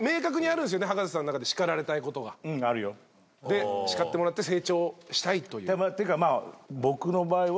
で叱ってもらって成長したいという。ってか僕の場合は。